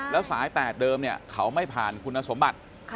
แล้วสาย๘เดิมเขาไม่ผ่านคุณสมบัติ